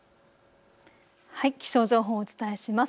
気象情報をお伝えします。